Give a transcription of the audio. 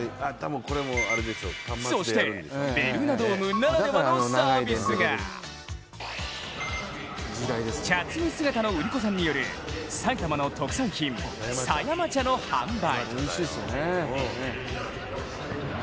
そして、ベルーナドームならではのサービスが茶摘み姿の売り子さんによる埼玉の特産品、狭山茶の販売。